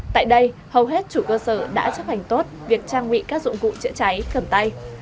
tại đây hầu hết chủ cơ sở đã chấp hành tốt việc trang bị các dụng cụ chữa cháy cầm tay